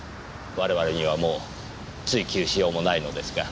我々にはもう追及しようもないのですが。